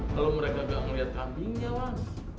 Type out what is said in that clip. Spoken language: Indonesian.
kalau mereka gak ngeliat kambingnya mas